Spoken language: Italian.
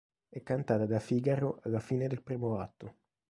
È cantata da Figaro alla fine del primo atto.